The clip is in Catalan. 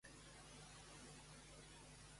Quan li ho va sol·licitar?